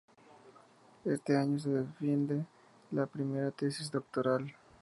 Este año se defiende la primera tesis doctoral.